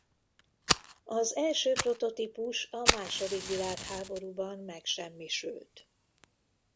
Az első prototípus a második világháborúban megsemmisült.